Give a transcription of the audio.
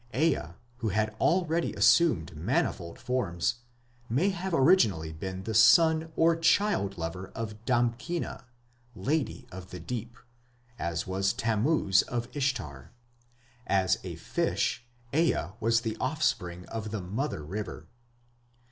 Ea, who had already assumed manifold forms, may have originally been the son or child lover of Damkina, "Lady of the Deep", as was Tammuz of Ishtar. As the fish, Ea was the offspring of the mother river.